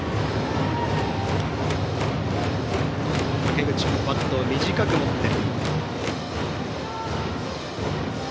竹口はバットを短く持って。